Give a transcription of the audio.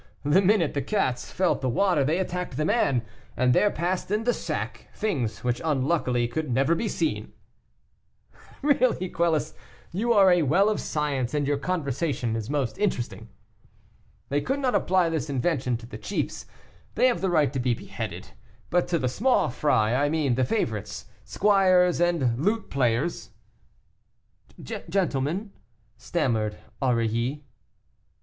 The minute the cats felt the water they attacked the man, and there passed in the sack things which unluckily could never be seen." "Really, Quelus, you are a well of science, and your conversation is most interesting." "They could not apply this invention to the chiefs; they have the right to be beheaded; but to the small fry, I mean the favorites, squires, and lute players." "Gentlemen " stammered Aurilly.